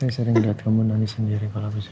saya sering liat kamu nangis sendiri kalau besok bentar